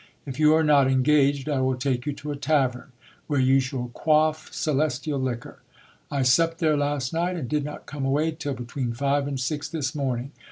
If you are not engaged, I will take you to a tavern, where you shall quaff celestial liquor. I supped there last night, and did not come away till between five and six this morning.